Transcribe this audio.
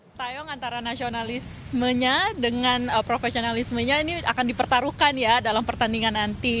pertayong antara nasionalismenya dengan profesionalismenya ini akan dipertaruhkan ya dalam pertandingan nanti